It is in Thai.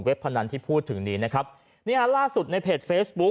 พนันที่พูดถึงนี้นะครับเนี่ยล่าสุดในเพจเฟซบุ๊ค